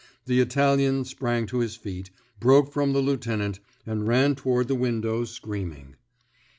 The Italian sprang to his feet, broke from the lieutenant, and ran toward the window, screaming.